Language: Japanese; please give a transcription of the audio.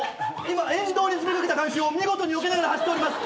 今沿道に詰め掛けた観衆を見事によけながら走っております！